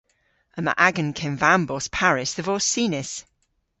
Yma agan kevambos parys dhe vos sinys.